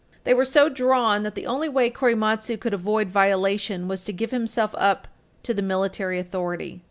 They were so drawn that the only way Korematsu could avoid violation was to give himself up to the military authority.